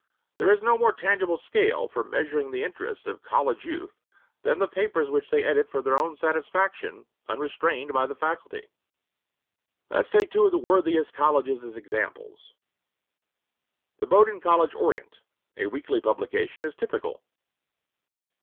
There is no more tangible scale for measuring the interests of college youth than the papers which they edit for their own satisfaction, unrestrained by the faculty. Let us take two of the worthiest colleges as examples. The Bowdoin College Orient, a weekly publication, is typical.